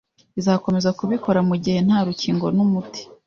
izakomeza kubikora mu gihe nta rukingo n’umuti